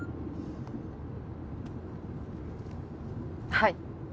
はい。